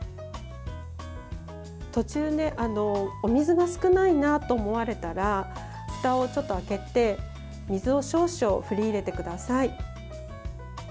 途中、お水が少ないなと思われたらふたをちょっと開けて水を少々振り入れてください。